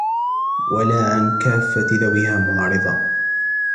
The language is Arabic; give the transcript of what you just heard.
وَلَا عَنْ كَافَّةِ ذَوِيهَا مُعْرِضَةً